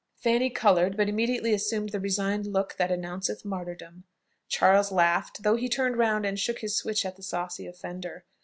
Fanny coloured, but immediately assumed the resigned look that announceth martyrdom. Charles laughed, though he turned round and shook his switch at the saucy offender.